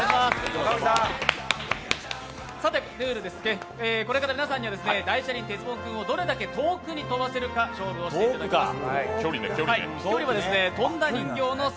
さてルールです、これから皆さんには大車輪てつぼうくんをどれだけ遠くに飛ばせるか、勝負をしていただきます。